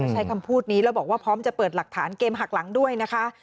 ใช้คำพูดนี้แล้วบอกว่าพร้อมจะเปิดหลักฐานเกมหักหลังด้วยนะคะ